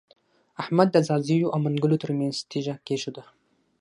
احمد د ځاځيو او منلګو تر منځ تيږه کېښوده.